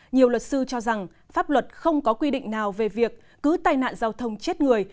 nhiều luật sư cho rằng pháp luật không có quy định nào về việc cứ tai nạn giao thông chết người